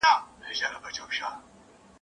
آفتونه یې له خپله لاسه زېږي !.